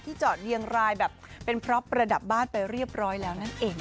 จอดเรียงรายแบบเป็นพร็อประดับบ้านไปเรียบร้อยแล้วนั่นเอง